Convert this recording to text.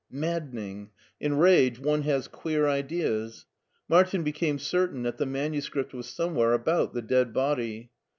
Maddening ! In rage one has queer ideas. Martin became certain that the manuscript was somewhere about the dead body.